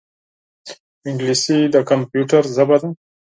انګلیسي د کمپیوټر ژبه ده